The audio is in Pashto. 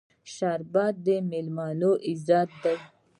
شربت د میلمنو عزت دی